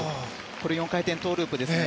今のは４回転トウループですね。